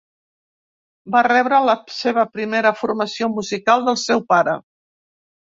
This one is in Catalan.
Va rebre la seva primera formació musical del seu pare.